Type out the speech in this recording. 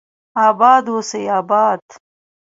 اباد اوسي اباد